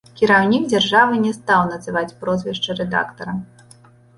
Кіраўнік дзяржавы не стаў называць прозвішча рэдактара.